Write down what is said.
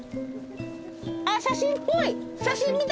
あっ写真っぽい。